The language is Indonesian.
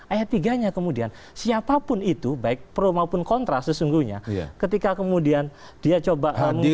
ayat tiga nya kemudian siapapun itu baik pro maupun kontra sesungguhnya ketika kemudian dia coba mungkin